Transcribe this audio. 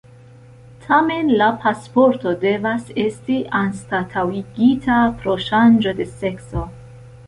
Tamen la pasporto devas esti anstataŭigita pro ŝanĝo de sekso.